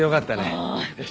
よし。